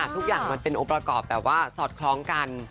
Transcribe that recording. ทุกอย่างมันเป็นองค์ประกอบแบบว่าสอดคล้องกัน